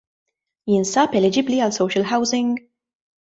Jinsab eligibbli għal social housing?